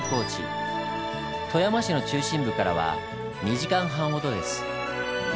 富山市の中心部からは２時間半ほどです。